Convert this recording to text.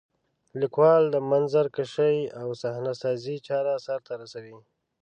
لیکوال د منظرکشۍ او صحنه سازۍ چاره سرته رسوي.